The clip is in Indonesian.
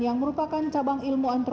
yang merupakan cabang ilmu antoni